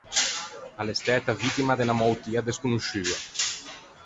A l’é stæta vittima de unna moutia desconosciua.